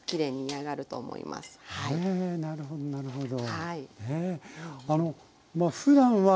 なるほど。